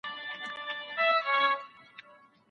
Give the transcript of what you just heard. رود یوازي هغه وخت په دې پوهیږي